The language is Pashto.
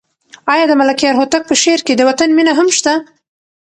آیا د ملکیار هوتک په شعر کې د وطن مینه هم شته؟